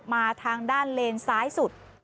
มาทางด้านเลนซ้ายสุด